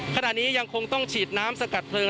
ขณะนี้ยังคงต้องฉีดน้ำสกัดเพลิง